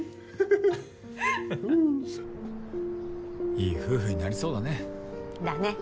いい夫婦になりそうだね。だね。